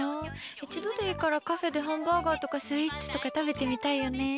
一度でいいからカフェでハンバーガーとかスイーツとか食べてみたいよねえ。